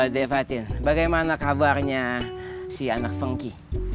devatin bagaimana kabarnya si anak pengki